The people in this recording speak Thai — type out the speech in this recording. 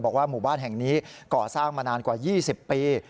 บอกว่าหมู่บ้านแห่งนี้ก่อสร้างมานานกว่า๒๐ปี